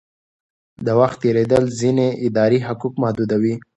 د وخت تېرېدل ځینې اداري حقوق محدودوي.